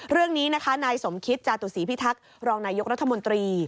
เรื่องนี้นะคะนายสมคิตจาตุศีพิทักษ์รองนายกรัฐมนตรี